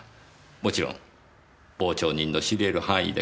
もちろん傍聴人の知りえる範囲で結構です。